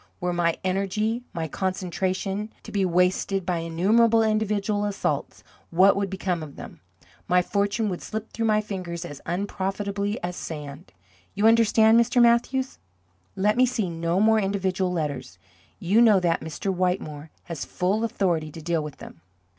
Were my energy, my concentration, to be wasted by innumerable individual assaults, what would become of them? My fortune would slip through my fingers as unprofitably as sand. You understand, Mr. Mathews? Let me see no more individual letters. You know that Mr. Whittemore has full authority to deal with them.